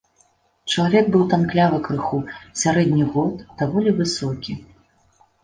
Чалавек быў танклявы крыху, сярэдніх год, даволі высокі.